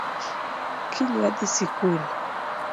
Kiny wadhii sikul